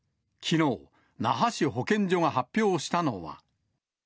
きのう、那覇市保健所が発表したのは。